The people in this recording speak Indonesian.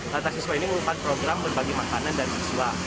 rantang siswa ini merupakan program berbagi makanan dari siswa